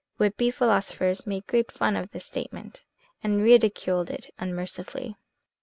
Would be philosophers made great fun of this statement, and ridiculed it unmercifully.